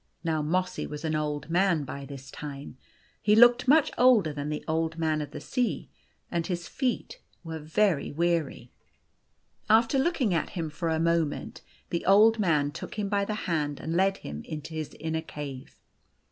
Now Mossy was an old man by this time. He looked much older than the Old Man of the Sea, and his feet were very weary. 2io The Golden Key After looking at him for a moment, the Old Man took him by the hand and led him into his inner cave.